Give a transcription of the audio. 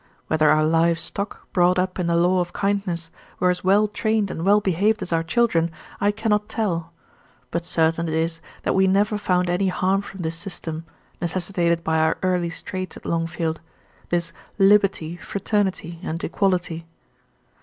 Whether our live stock, brought up in the law of kindness, were as well trained and well behaved as our children, I cannot tell; but certain it is that we never found any harm from this system, necessitated by our early straits at Longfield this "liberty, fraternity, and equality."